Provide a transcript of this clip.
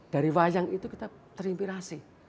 dari wayang itu kita terimpirasi